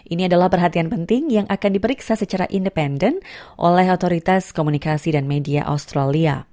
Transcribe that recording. ini adalah perhatian penting yang akan diperiksa secara independen oleh otoritas komunikasi dan media australia